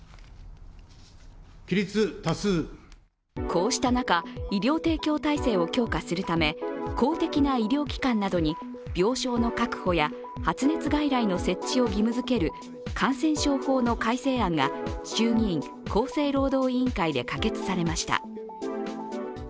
こうした中、医療提供体制を強化するため公的な医療機関などに病床の確保や発熱外来の設置を義務づける感染症法の改正案が衆議院厚生労働委員会で可決されました。